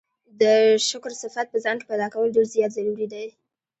د شکر صفت په ځان کي پيدا کول ډير زيات ضروري دی